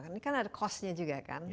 ini kan ada costnya juga kan